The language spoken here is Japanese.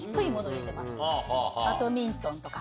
バドミントンとか。